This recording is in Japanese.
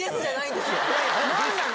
何なの？